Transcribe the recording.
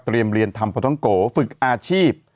เตรียมเรียนทำพท้องโกฝึกอาชีพ